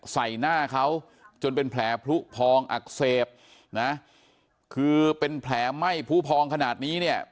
ใส่หน้าเขาจนเป็นแผลพลุพองอักเสบนะคือเป็นแผลไหม้ผู้พองขนาดนี้เนี่ย